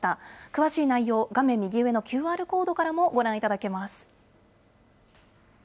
詳しい内容、画面右上のＱＲコードからもご覧いただけます。